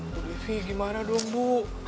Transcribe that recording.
bu devi gimana dong bu